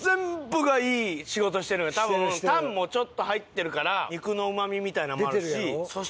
多分タンもちょっと入ってるから肉のうまみみたいなんもあるし。